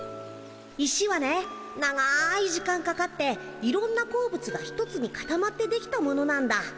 石はね長い時間かかっていろんな鉱物が一つにかたまってできたものなんだ。